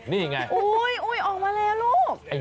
นี่ไงอุ๊ยออกมาแล้วลูก